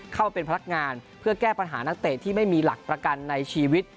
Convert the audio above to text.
เข้าเป็นพนักงานเพื่อแก้ปัญหานักเตะที่ไม่มีหลักประกันในชีวิต